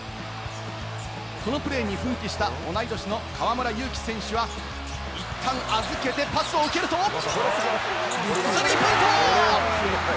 このプレーに奮起した同い年の河村勇輝選手は一旦預けて、パスを受けるとスリーポイント！